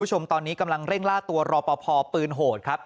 คุณผู้ชมตอนนี้กำลังเร่งล่าตัวรอปภปืนโหดครับ